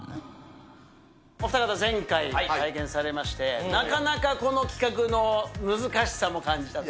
お二方、前回体験されまして、なかなかこの企画の難しさも感じたと。